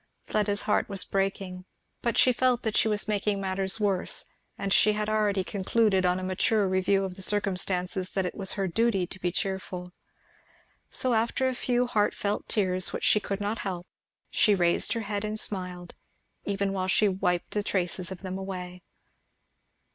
Fleda's heart was breaking, but she felt that she was making matters worse, and she had already concluded on a mature review of circumstances that it was her duty to be cheerful. So after a few very heartfelt tears which she could not help, she raised her head and smiled, even while she wiped the traces of them away.